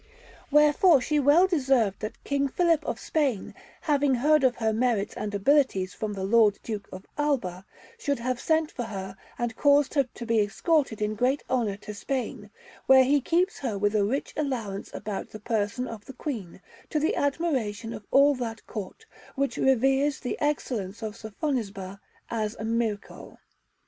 Wherefore she well deserved that King Philip of Spain, having heard of her merits and abilities from the Lord Duke of Alba, should have sent for her and caused her to be escorted in great honour to Spain, where he keeps her with a rich allowance about the person of the Queen, to the admiration of all that Court, which reveres the excellence of Sofonisba as a miracle.